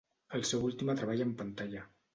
El seu última treballa en pantalla.